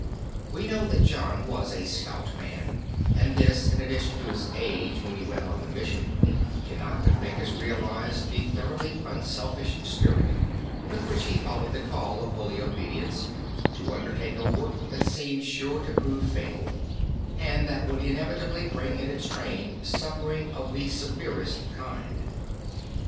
We know that John was a stout man and this in addition to his age when he went on the mission, cannot but make us realize the thoroughly unselfish spirit with which he followed the call of Holy Obedience, to undertake a work that seemed sure to prove fatal and that would inevitably bring in its train suffering of the severest kind.